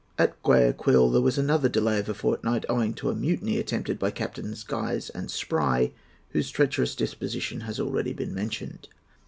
At Guayaquil there was another delay of a fortnight, owing to a mutiny attempted by Captains Guise and Spry, whose treacherous disposition has already been mentioned.